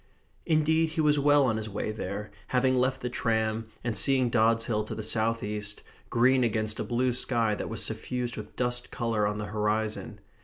Indeed he was well on his way there, having left the tram, and seeing Dods Hill to the south east, green against a blue sky that was suffused with dust colour on the horizon.